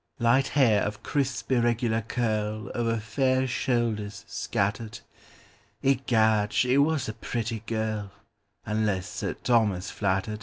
Light hair of crisp irregular curlOver fair shoulders scattered—Egad, she was a pretty girl, Unless Sir Thomas flattered!